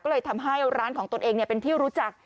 ก็เลยทำให้ร้านของตนเองเป็นที่รู้จัก